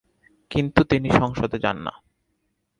কিন্তু তিনি সংসদে যান না।